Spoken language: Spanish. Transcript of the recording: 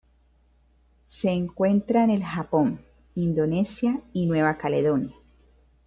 Se encuentra en el Japón, Indonesia y Nueva Caledonia.